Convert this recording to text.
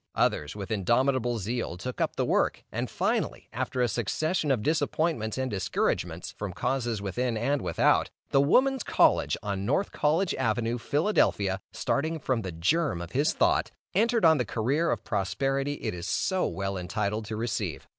Others, with indomitable zeal, took up the work, and finally, after a succession of disappointments and discouragements from causes within and without, the Woman's College, on North College avenue, Philadelphia, starting from the germ of his thought, entered on the career of prosperity it is so well entitled to receive.